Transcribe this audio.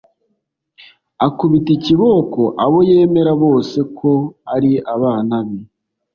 akubita ibiboko abo yemera bose ko ari abana be.